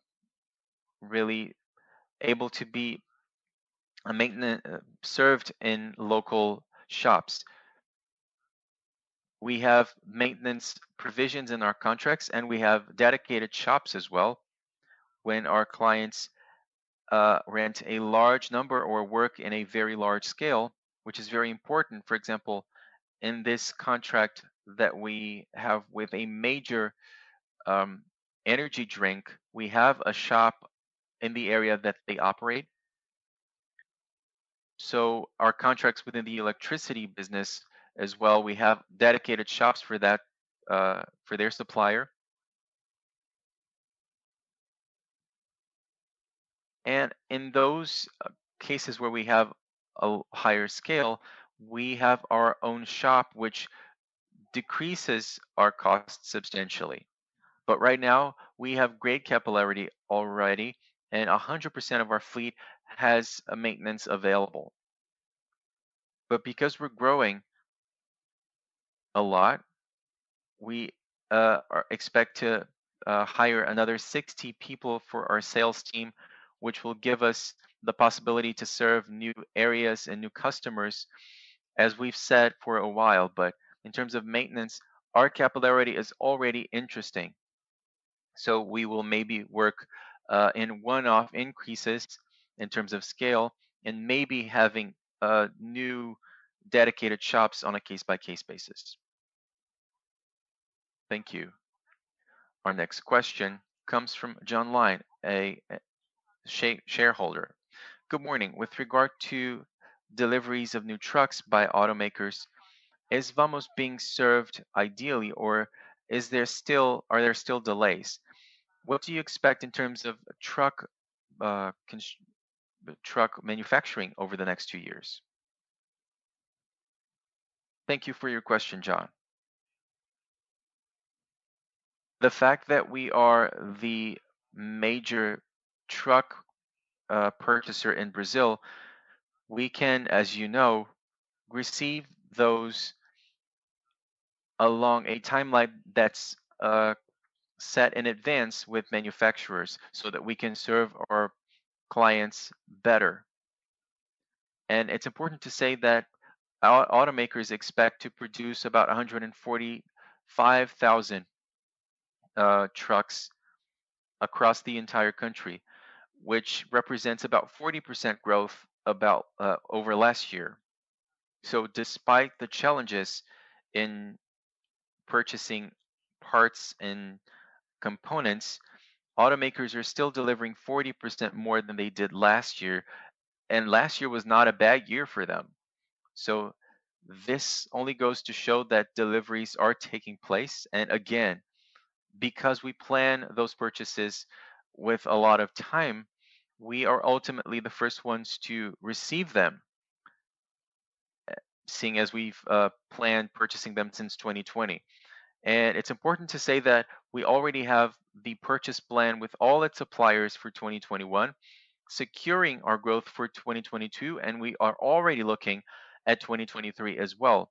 B: in local shops. We have maintenance provisions in our contracts, and we have dedicated shops as well when our clients rent a large number or work in a very large scale, which is very important. For example, in this contract that we have with a major energy drink, we have a shop in the area that they operate. Our contracts within the electricity business as well, we have dedicated shops for that for their supplier. In those cases where we have a higher scale, we have our own shop, which decreases our costs substantially. Right now, we have great capillarity already, and 100% of our fleet has a maintenance available. Because we're growing a lot, we expect to hire another 60 people for our sales team, which will give us the possibility to serve new areas and new customers, as we've said for a while. In terms of maintenance, our capillarity is already interesting. We will maybe work in one-off increases in terms of scale and maybe having new dedicated shops on a case-by-case basis.
J: Thank you.
A: Our next question comes from João Lima, a shareholder.
K: Good morning. With regard to deliveries of new trucks by automakers, is Vamos being served ideally, or are there still delays? What do you expect in terms of truck manufacturing over the next two years?
B: Thank you for your question, João. The fact that we are the major truck purchaser in Brazil, we can, as you know, receive those along a timeline that's set in advance with manufacturers so that we can serve our clients better. It's important to say that our automakers expect to produce about 145,000 trucks across the entire country, which represents about 40% growth over last year. Despite the challenges in purchasing parts and components, automakers are still delivering 40% more than they did last year, and last year was not a bad year for them. This only goes to show that deliveries are taking place. Again, because we plan those purchases with a lot of time, we are ultimately the first ones to receive them, seeing as we've planned purchasing them since 2020. It's important to say that we already have the purchase plan with all its suppliers for 2021, securing our growth for 2022, and we are already looking at 2023 as well,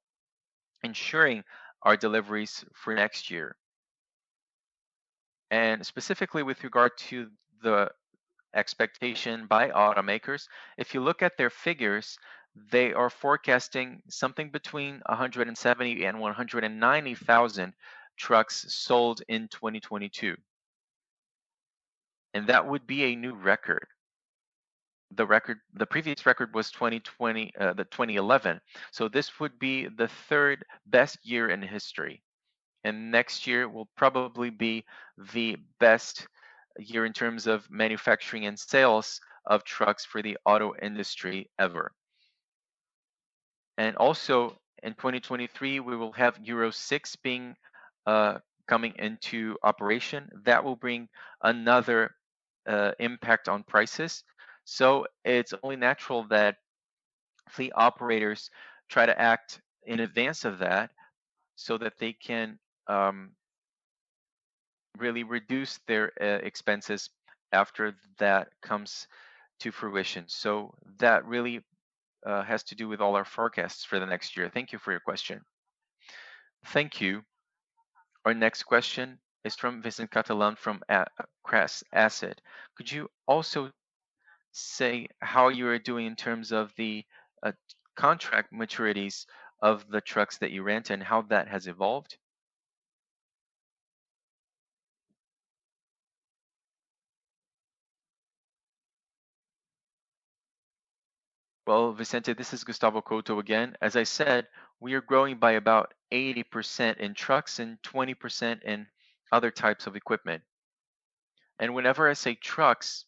B: ensuring our deliveries for next year. Specifically with regard to the expectation by automakers, if you look at their figures, they are forecasting something between 170,000-190,000 trucks sold in 2022. That would be a new record. The previous record was 2020, the 2011. This would be the third best year in history. Next year will probably be the best year in terms of manufacturing and sales of trucks for the auto industry ever. Also in 2023, we will have Euro VI coming into operation. That will bring another impact on prices. It's only natural that fleet operators try to act in advance of that so that they can really reduce their expenses after that comes to fruition. That really has to do with all our forecasts for the next year. Thank you for your question.
K: Thank you.
A: Our next question is from Vicente Catalán from Crescera.
J: Could you also say how you are doing in terms of the contract maturities of the trucks that you rent and how that has evolved?
B: Well, Vicente, this is Gustavo Couto again. As I said, we are growing by about 80% in trucks and 20% in other types of equipment. Whenever I say trucks,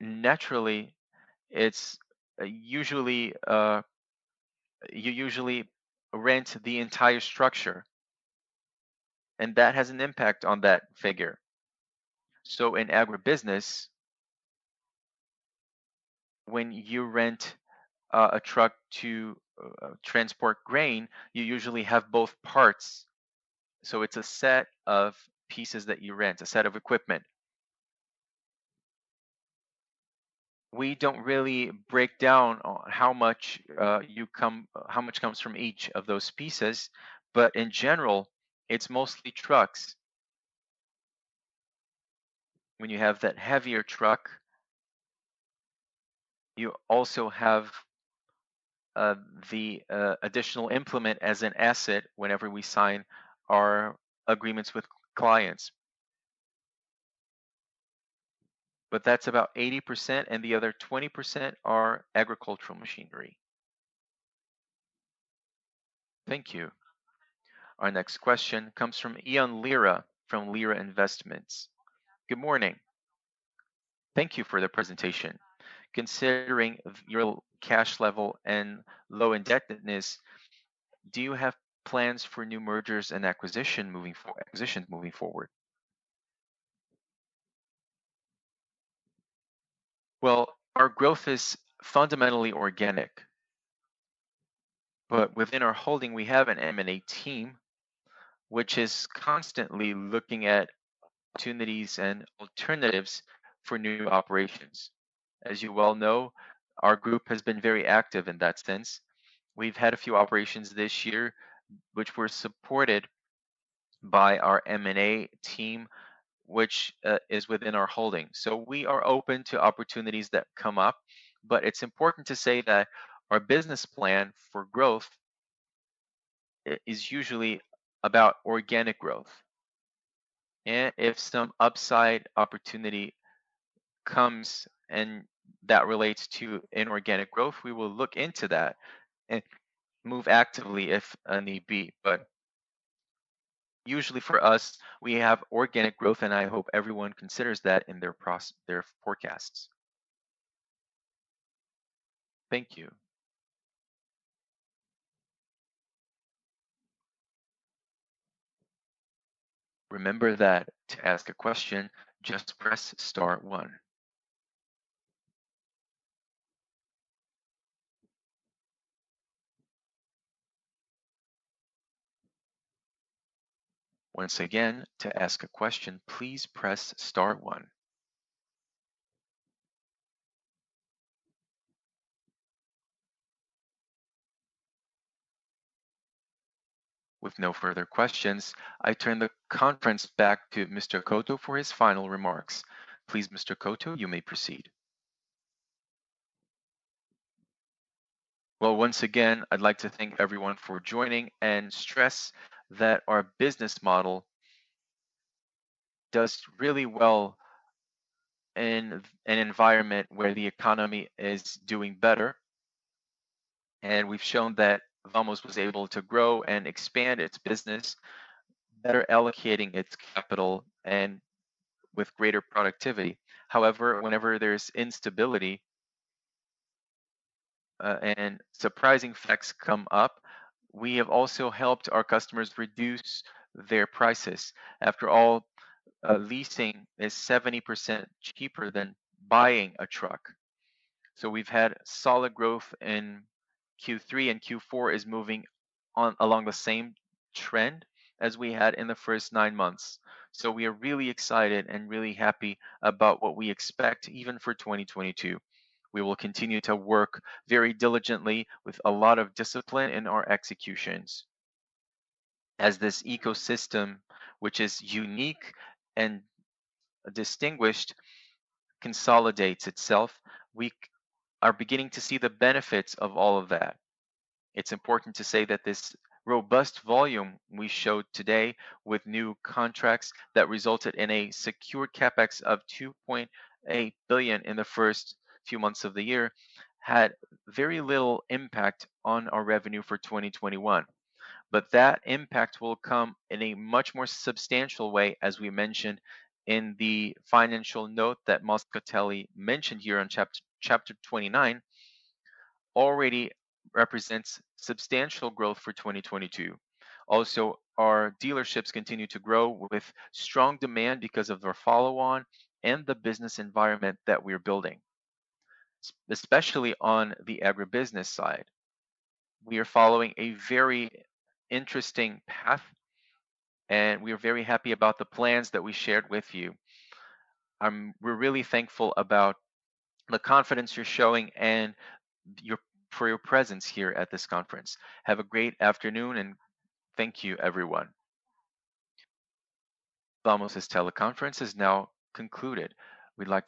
B: naturally, it's usually you usually rent the entire structure, and that has an impact on that figure. When you rent a truck to transport grain, you usually have both parts. It's a set of pieces that you rent, a set of equipment. We don't really break down on how much comes from each of those pieces, but in general, it's mostly trucks. When you have that heavier truck, you also have the additional implement as an asset whenever we sign our agreements with clients. But that's about 80%, and the other 20% are agricultural machinery.
J: Thank you.
A: Our next question comes from Ian Lira from Lira Investments.
L: Good morning. Thank you for the presentation. Considering your cash level and low indebtedness, do you have plans for new mergers and acquisitions moving forward?
B: Well, our growth is fundamentally organic. Within our holding, we have an M&A team which is constantly looking at opportunities and alternatives for new operations. As you well know, our group has been very active in that sense. We've had a few operations this year, which were supported by our M&A team, which is within our holding. We are open to opportunities that come up, but it's important to say that our business plan for growth is usually about organic growth. If some upside opportunity comes and that relates to inorganic growth, we will look into that and move actively if need be. Usually for us, we have organic growth, and I hope everyone considers that in their forecasts.
J: Thank you.
B: Well, once again, I'd like to thank everyone for joining and stress that our business model does really well in an environment where the economy is doing better. We've shown that Vamos was able to grow and expand its business, better allocating its capital and with greater productivity. However, whenever there's instability and surprising facts come up, we have also helped our customers reduce their prices. After all, leasing is 70% cheaper than buying a truck. We've had solid growth in Q3, and Q4 is moving on along the same trend as we had in the first nine months. We are really excited and really happy about what we expect even for 2022. We will continue to work very diligently with a lot of discipline in our executions. As this ecosystem, which is unique and distinguished, consolidates itself, we are beginning to see the benefits of all of that. It's important to say that this robust volume we showed today with new contracts that resulted in a secure CapEx of 2.8 billion in the first few months of the year had very little impact on our revenue for 2021. That impact will come in a much more substantial way, as we mentioned in the financial note that Moscatelli mentioned here on chapter 29, already represents substantial growth for 2022. Also, our dealerships continue to grow with strong demand because of their follow-on and the business environment that we're building, especially on the agribusiness side. We are following a very interesting path, and we are very happy about the plans that we shared with you. We're really thankful about the confidence you're showing and your presence here at this conference. Have a great afternoon, and thank you, everyone.
A: Vamos's teleconference is now concluded.